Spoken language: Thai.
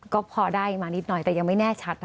ก็พอได้มานิดหน่อยแต่ยังไม่แน่ชัด